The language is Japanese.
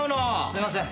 すいません。